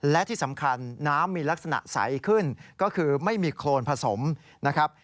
และที่สำคัญน้ำมีลักษณะใสขึ้นก็คือไม่มีโครนผสมนะครับ